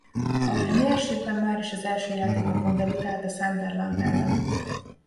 A Premiershipben máris az első játéknapon debütált a Sunderland ellen.